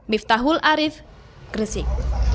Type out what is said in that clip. miftahul arif gresik